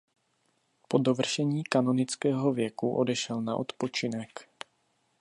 Po dovršení kanonického věku odešel na odpočinek.